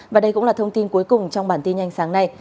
và đây cũng là thông tin cuối cùng trong bản tin nhanh sáng nay